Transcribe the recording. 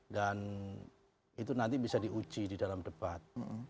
dan itu nanti bisa diuji di dalam debat